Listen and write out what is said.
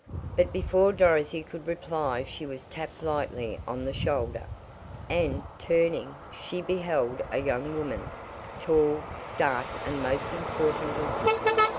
But before Dorothy could reply she was tapped lightly on the shoulder, and, turning, she beheld a young woman, tall, dark and most important looking.